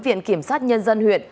viện kiểm sát nhân dân huyện